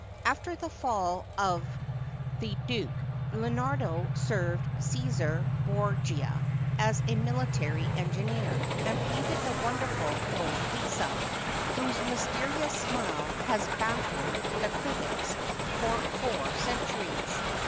After the fall of the Duke, Leonardo served Cesare Borgia as a military engineer, and painted the wonderful Mona Lisa, whose mysterious smile has baffled the critics for four centuries.